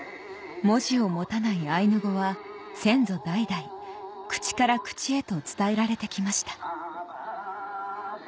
文字を持たないアイヌ語は先祖代々口から口へと伝えられて来ました